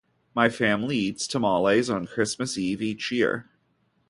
My family eats tamales on Christmas Eve each year.